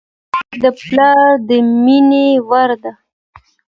خور د پلار د مینې وړ ده.